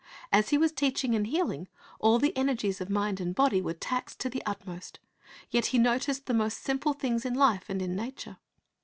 As He was teaching and healing, all the energies of mind and body were taxed to the utmost; yet He noticed the most simple things in life and in nature.